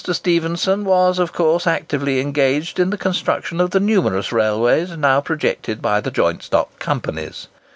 Stephenson was of course, actively engaged in the construction of the numerous railways now projected by the joint stock companies.